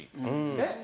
えっ？